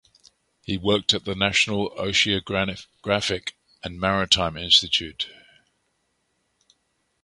He worked at the National Oceanographic And Maritime Institute.